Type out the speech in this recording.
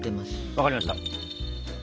分かりました。